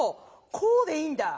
こうでいいんだ。